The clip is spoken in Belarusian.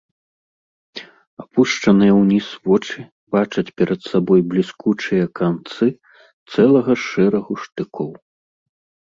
Апушчаныя ўніз вочы бачаць перад сабой бліскучыя канцы цэлага шэрагу штыкоў.